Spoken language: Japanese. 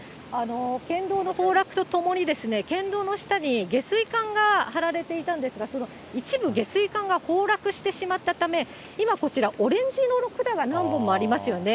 県道の崩落とともにですね、県道の下に下水管が張られていたんですが、一部、下水管が崩落してしまったため、今こちら、オレンジ色の管が何本もありますよね。